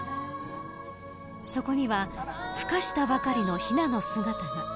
そこには、ふ化したばかりのひなの姿が。